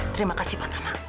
terima kasih pak tama